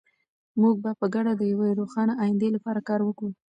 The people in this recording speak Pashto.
موږ به په ګډه د یوې روښانه ایندې لپاره کار وکړو.